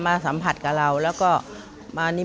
มีหลานชายคนหนึ่งเขาไปสื่อจากคำชโนธ